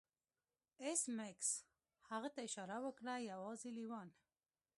ایس میکس هغه ته اشاره وکړه یوازې لیوان